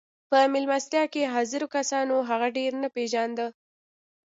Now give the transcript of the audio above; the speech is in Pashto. په مېلمستیا کې حاضرو کسانو هغه ډېر نه پېژانده